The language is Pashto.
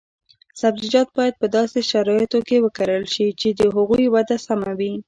سبزیجات باید په داسې شرایطو کې وکرل شي چې د هغوی وده سمه وي.